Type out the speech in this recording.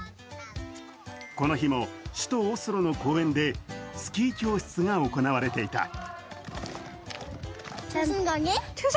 この日も首都オスロの公園でスキー教室が行われていた。